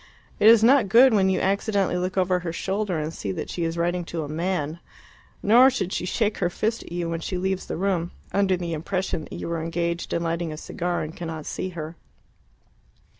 It is not good, when you accidentally look over her shoulder, to see that she is writing to a man. Nor should she shake her fist at you when she leaves the room, under the impression that you are engaged in lighting a cigar and cannot see her.